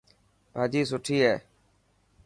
ڀاڄي سٺي هي.